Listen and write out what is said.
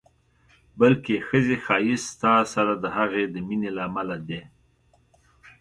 بلکې ښځې ښایست ستا سره د هغې د مینې له امله دی.